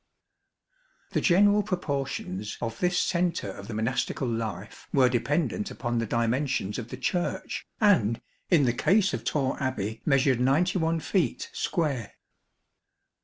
The general proportions of this centre of the monastical life were dependent upon the dimensions of the Church, and in the case of Torre Abbey measured 91 feet square.